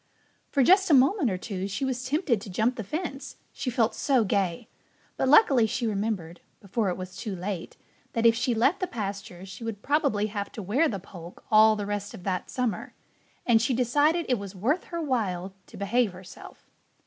For just a moment or two she was tempted to jump the fence, she felt so gay. But luckily she remembered, before it was too late, that if she left the pasture she would probably have to wear the poke all the rest of that summer. And she decided it was worth her while to behave herself.